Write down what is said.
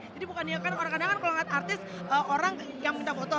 jadi bukan ya kan orang kadang kadang kalau ngeliat artis orang yang minta foto